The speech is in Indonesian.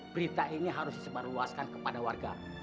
fitnah ini harus disembarluaskan kepada warga